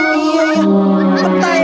kamu nyangkut ya